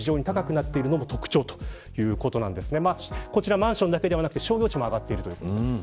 マンションだけではなく商業地も上がっているところです。